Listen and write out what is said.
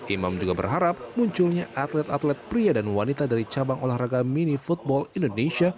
imam juga berharap munculnya atlet atlet pria dan wanita dari cabang olahraga mini football indonesia